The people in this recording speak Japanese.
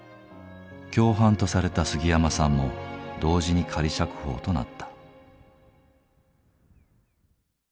共犯とされた杉山さんも同時に仮釈放となった。